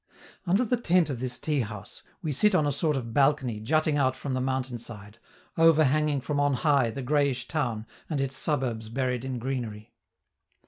Under the tent of this tea house, we sit on a sort of balcony jutting out from the mountain side, overhanging from on high the grayish town and its suburbs buried in greenery.